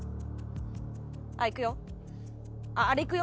「あっいくよあれいくよ」。